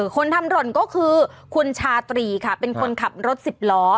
คนทำหล่นก็คือคุณชาตรีค่ะเป็นคนขับรถสิบล้อ